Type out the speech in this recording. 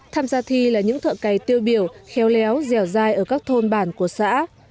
tham gia thi là những thợ cày tiêu biểu khéo léo dẻo dai ở các thôn bản của xã